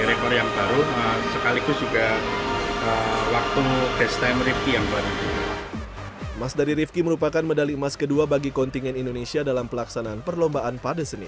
emas dari rivki merupakan medali emas kedua bagi kontingen indonesia dalam pelaksanaan perlombaan pada senin